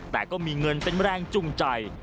แต่ก็มีเงินเป็นแรงจูงใจ